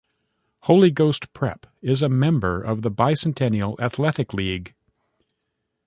Holy Ghost Prep is a member of the Bicentennial Athletic League.